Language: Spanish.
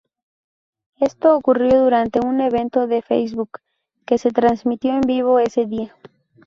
Esto ocurrió durante un evento de Facebook, que se transmitió en vivo ese día.